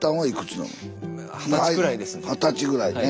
二十歳ぐらいね。